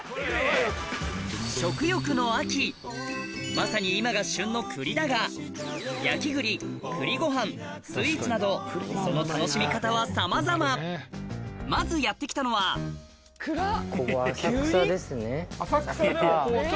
まさに今が旬の栗だが焼き栗栗ご飯スイーツなどそのまずやって来たのは暗っ！